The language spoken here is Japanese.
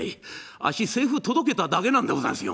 あっし財布届けただけなんでございますよ。